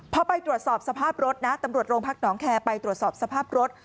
พอไปตรวจสอบสภาพรถนะตำรวจโรงพักหนองแคร์ไปตรวจสอบสภาพรถ